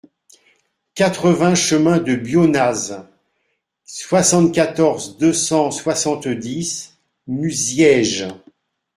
quatre-vingts chemin de Bionnaz, soixante-quatorze, deux cent soixante-dix, Musièges